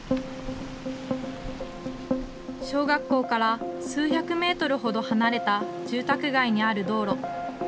小学校から数百メートルほど離れた住宅街にある道路。